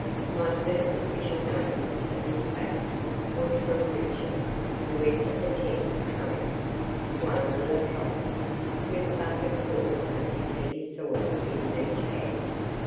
My first official notice of this fact was from Richard, who entered the tent humming "Suona la tromba," with a bucket full of this heavy soil in each hand.